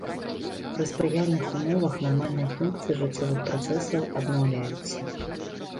Пры спрыяльных умовах нармальныя функцыі жыццёвых працэсаў аднаўляюцца.